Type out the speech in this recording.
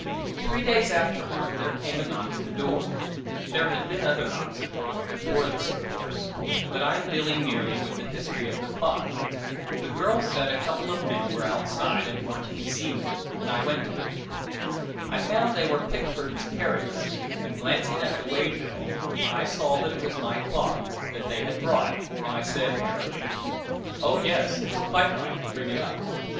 Three days afterward, there came a knock at the door there had been other knocks at the door before this, of course; but I am dealing merely with the history of the clock. The girl said a couple of men were outside, and wanted to see me, and I went to them. I found they were Pickford's carriers, and glancing at the way bill, I saw that it was my clock that they had brought, and I said, airily, "Oh, yes, it's quite right; bring it up!"